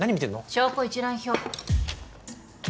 証拠一覧表。